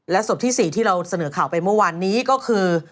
ศพที่๔ที่เราเสนอข่าวไปเมื่อวานนี้ก็คือ